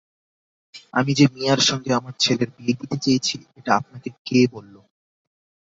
আমি যে মিয়ার সঙ্গে আমার ছেলের বিয়ে দিতে চেয়েছি, এটা আপনাকে কে বলল?